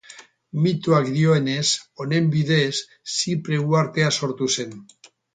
Mitoak dioenez, honen bidez, Zipre uhartea sortu zen.